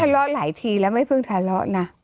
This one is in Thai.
ทะเลาะหลายทีแล้วไม่เพิ่งทะเลาะนะ